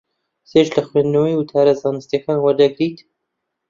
چێژ لە خوێندنەوەی وتارە زانستییەکان وەردەگرێت.